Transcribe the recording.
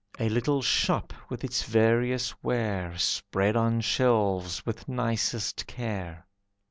A little shop with its various ware Spread on shelves with nicest care.